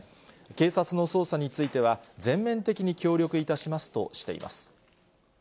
警察の捜査については、全面的に協力いたしますとしています。